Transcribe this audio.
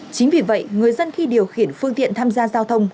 chính vì vậy người dân khi điều khiển phương tiện tham gia giao thông